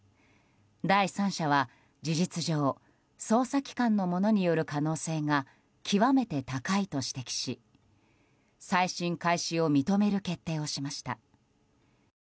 第三者は事実上捜査機関の者による可能性が極めて高いと指摘し再審開始を認める決定をしました。